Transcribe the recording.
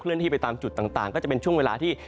ที่ไปตามจุดต่างก็จะเป็นช่วงเวลาที่